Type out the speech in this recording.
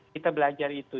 kita belajar itu